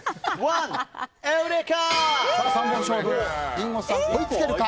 リンゴさん、追いつけるか。